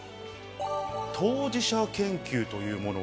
当事者研究というもの。